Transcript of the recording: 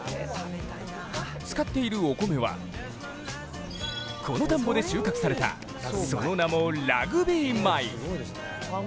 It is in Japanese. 使っているお米は、この田んぼで収穫されたその名も、ラグビー米。